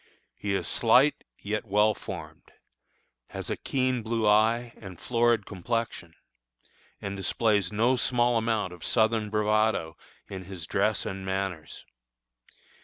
He is slight, yet well formed; has a keen blue eye, and florid complexion; and displays no small amount of Southern bravado in his dress and manners.